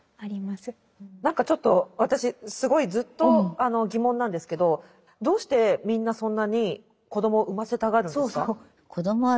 何かちょっと私すごいずっと疑問なんですけどどうしてみんなそんなに子供を産ませたがるんですか？